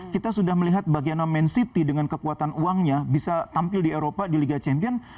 kita sudah melihat bagiannya man city dengan kekuatan uangnya bisa tampil di eropa di liga champion